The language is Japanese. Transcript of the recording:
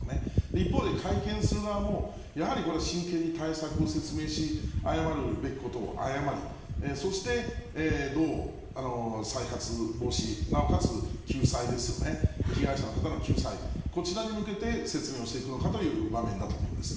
一方で会見する側もやはりこれ、真剣に対策を説明し、謝るべきことを謝り、そしてどう再発防止、なおかつ救済ですよね、被害者の方の救済、こちらに向けて説明をしていくのかという場面だと思うんです。